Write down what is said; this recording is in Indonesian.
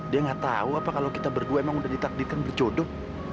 dia gak tahu apa kalau kita berdua emang udah ditakdikan bercodok